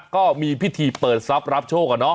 ก็มีพิธีเปิดทรัพย์รับโชค